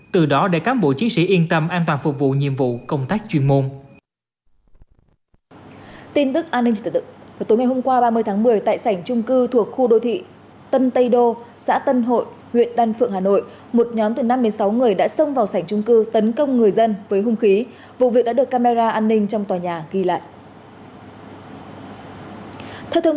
từ đó để các bộ chí sĩ yên tâm an toàn phục vụ nhiệm vụ công tác chuyên môn